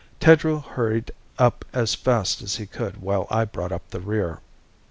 Tedrow hurried up as fast as he could while I brought up the rear.